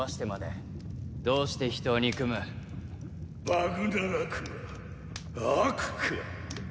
バグナラクは悪か。